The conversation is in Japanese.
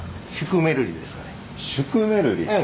シュクメルリ？